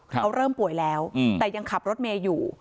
เขาเริ่มป่วยแล้วแต่ยังขับรถเมย์อยู่